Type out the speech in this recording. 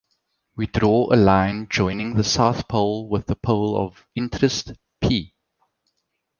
We draw a line joining the South pole with the pole of interest "P".